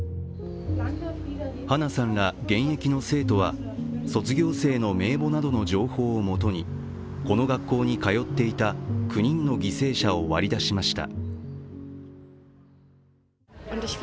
ハナさんら現役の生徒は卒業生の名簿などの情報をもとにこの学校に通っていた９人の犠牲者を割り出しました。